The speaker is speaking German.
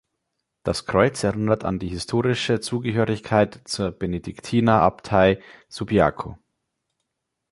Das Kreuz erinnert an die historische Zugehörigkeit zur Benediktinerabtei Subiaco.